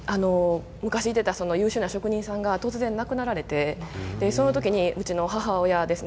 昔いた優秀な職人さんが突然亡くなられてその時にうちの母親ですね